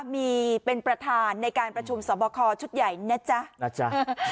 มีเป็นประธานในการประชุมสอบคอชุดใหญ่นะจ๊ะนะจ๊ะ